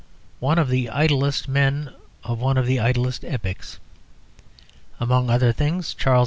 one of the idlest men of one of the idlest epochs. Among other things Charles II.